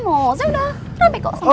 saya udah rame kok sama sama dengan saya ya